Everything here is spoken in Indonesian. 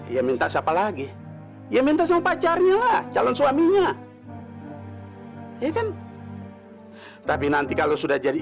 ya minta siapa lagi ya minta sama pacarnya lah calon suaminya ya kan tapi nanti kalau sudah jadi